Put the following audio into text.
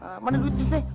mana duit disini